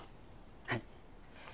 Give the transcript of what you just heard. はい。